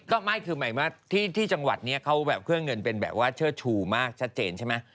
ก็ไม่คือหมายความว่าที่จังหวัดเนี่ยเครื่องเงินเป็นแบบว่าเชื่อชูมากชัดเจนใช่ไหม